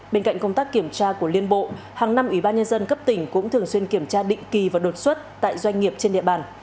bên cạnh công tác kiểm tra của liên bộ hàng năm ủy ban nhân dân cấp tỉnh cũng thường xuyên kiểm tra định kỳ và đột xuất tại doanh nghiệp trên địa bàn